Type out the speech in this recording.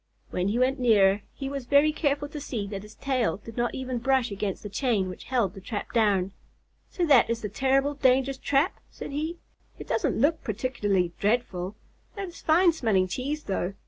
When he went nearer, he was very careful to see that his tail did not even brush against the chain which held the trap down. "So that is the terrible, dangerous trap?" said he. "It doesn't look particularly dreadful. That is fine smelling cheese though."